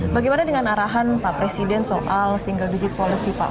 bagaimana dengan arahan pak presiden soal single digit policy pak